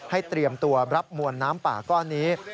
เตรียมตัวรับมวลน้ำป่าก้อนนี้